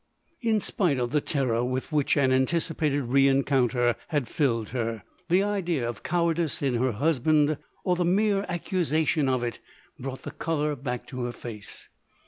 In spite of the terror with which an an ticipated rencontre had filled her, the idea of cowardice in her husband, or the mere accusa LODORE. 151 tion of it, brought the colour back to her face.